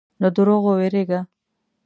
له دروغو وېرېږه.